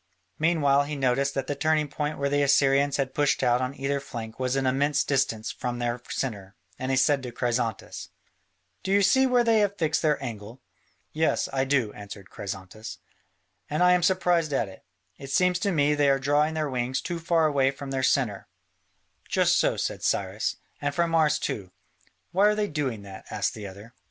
Meanwhile he noticed that the turning point where the Assyrians had pushed out on either flank was an immense distance from their centre, and he said to Chrysantas: "Do you see where they have fixed their angle?" "Yes, I do," answered Chrysantas, "and I am surprised at it: it seems to me they are drawing their wings too far away from their centre." "Just so," said Cyrus, "and from ours too." "Why are they doing that?" asked the other.